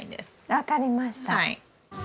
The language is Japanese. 分かりました。